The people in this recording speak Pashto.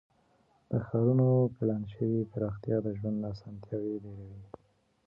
د ښارونو پلان شوې پراختیا د ژوند اسانتیاوې ډیروي.